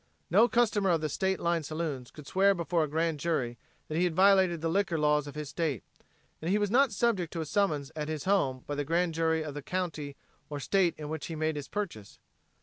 No customer of the state line saloons could swear before a grand jury that he had violated the liquor laws of his state, and he was not subject to a summons at his home by the grand jury of the county or state in which he made his purchase.